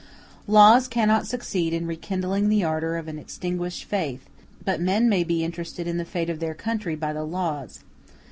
Laws cannot succeed in rekindling the ardor of an extinguished faith, but men may be interested in the fate of their country by the laws.